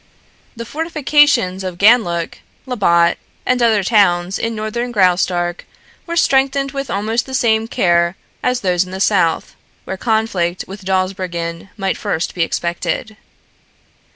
The fortifications of Ganlook, Labbot and other towns in northern Graustark were strengthened with almost the same care as those in the south, where conflict with Dawsbergen might first be expected.